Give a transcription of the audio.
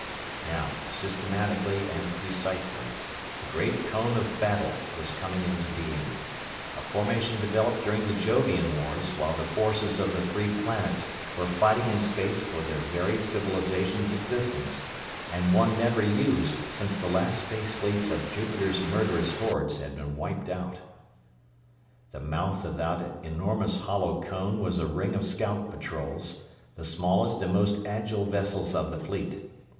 Now, systematically and precisely, the great Cone of Battle was coming into being; a formation developed during the Jovian Wars while the forces of the Three Planets were fighting in space for their very civilizations' existence, and one never used since the last space fleets of Jupiter's murderous hordes had been wiped out. The mouth of that enormous hollow cone was a ring of scout patrols, the smallest and most agile vessels of the fleet.